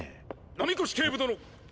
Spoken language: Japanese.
波越警部殿！